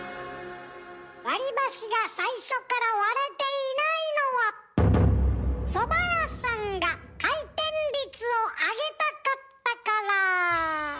割り箸が最初から割れていないのはそば屋さんが回転率を上げたかったから。